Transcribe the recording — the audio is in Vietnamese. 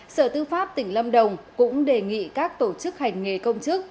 sở tư pháp tỉnh lâm đồng cũng đề nghị các tổ chức hành nghề công chức